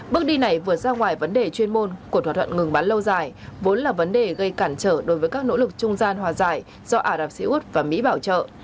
bước đi này vượt ra ngoài vấn đề chuyên môn của thỏa thuận ngừng bắn lâu dài vốn là vấn đề gây cản trở đối với các nỗ lực trung gian hòa giải do ả rập xê út và mỹ bảo trợ